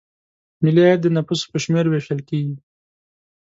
ملي عاید د نفوسو په شمېر ویشل کیږي.